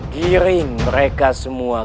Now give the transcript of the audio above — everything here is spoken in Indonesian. giring mereka semua